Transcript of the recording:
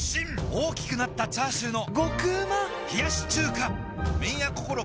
大きくなったチャーシューの麺屋こころ